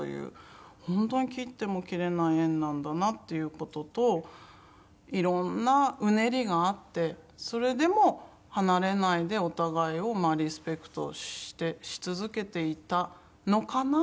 本当に切っても切れない縁なんだなという事といろんなうねりがあってそれでも離れないでお互いをリスペクトし続けていたのかな？